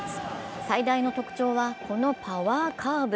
最大の特徴は、このパワーカーブ。